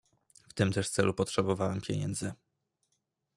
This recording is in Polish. "W tym też celu potrzebowałem pieniędzy."